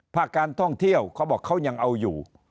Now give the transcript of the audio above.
ภาคการท่องเที่ยวเขาบอกเขายังเอาอยู่